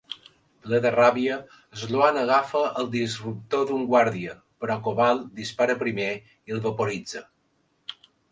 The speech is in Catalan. Ple de ràbia, Sloan agafa el disruptor d'un guàrdia, però Koval dispara primer, i el vaporitza.